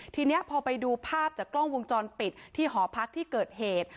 ทีนี้พอไปดูภาพจากกล้องวงจรปิดที่หอพักที่เกิดเหตุ